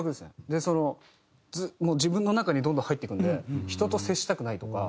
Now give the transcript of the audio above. でその自分の中にどんどん入っていくので人と接したくないとか。